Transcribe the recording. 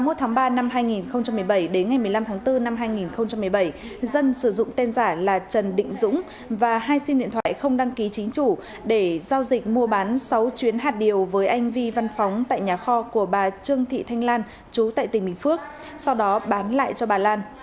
hai mươi tháng ba năm hai nghìn một mươi bảy đến ngày một mươi năm tháng bốn năm hai nghìn một mươi bảy dân sử dụng tên giả là trần định dũng và hai sim điện thoại không đăng ký chính chủ để giao dịch mua bán sáu chuyến hạt điều với anh vi văn phóng tại nhà kho của bà trương thị thanh lan chú tại tỉnh bình phước sau đó bán lại cho bà lan